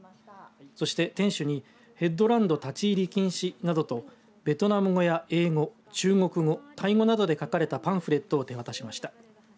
そして、店主にヘッドランド立ち入り禁止などとベトナム語や英語、中国語タイ語などで書かれたパンフレットを手渡しました。